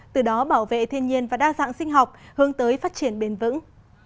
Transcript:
từ đó bảo vệ thiên nhiên và đa dạng sinh học hướng tới phát triển bền vững